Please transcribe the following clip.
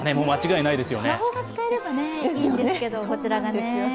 魔法が使えればいいんですけど、こちらがね。